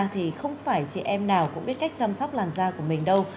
nhưng không cần phải chị em nào cũng biết cách chăm sóc làn da của mình đâu